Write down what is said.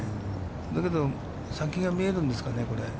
だけど、先が見えるんですかね、これ。